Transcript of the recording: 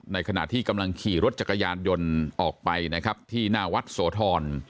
ขณะที่กำลังขี่รถจักรยานยนต์ออกไปนะครับที่หน้าวัดโสธร